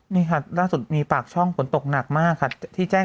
นี่ค่ะราศตรีมีฝากช่องฝนตกหนักมากค่ะ